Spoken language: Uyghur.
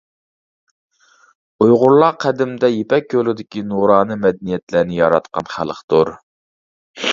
ئۇيغۇرلار قەدىمدە يىپەك يولىدىكى نۇرانە مەدەنىيەتلەرنى ياراتقان خەلقتۇر.